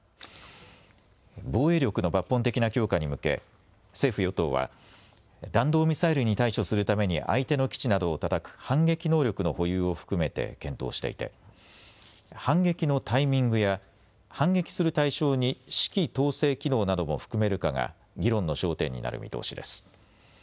防衛力の抜本的な強化に向け政府与党は弾道ミサイルに対処するために相手の基地などをたたく反撃能力の保有を含めて検討していて反撃のタイミングや反撃する対象に指揮統制機能なども含めるかが議論の焦点になる見通しです。